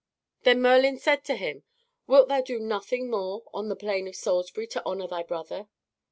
Then Merlin said to him, "Wilt thou do nothing more on the Plain of Salisbury, to honor thy brother?"